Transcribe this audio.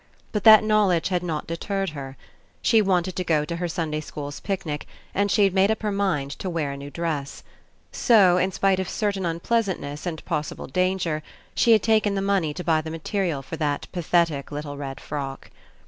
But that knowledge had not de terred her. She wanted to go to her Sunday school's picnic, and she had made up her mind to wear a new dress. So, In spite of certain un pleasantness and possible danger, she had taken the money to buy the material for that pathetic little red frock.